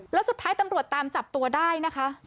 แล้วสุดท้ายตำรวจตามจับตัวได้นะคะ